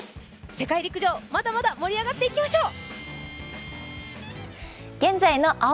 世界陸上、まだまだ盛り上がっていきましょう！